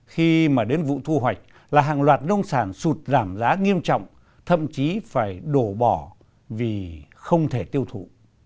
khi mà đến vụ thu hoạch là hàng loạt nông sản sụt giảm giá nghiêm trọng thậm chí phải đổ bỏ vì không thể tiêu thụ